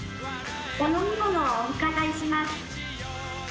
お飲み物をお伺いします。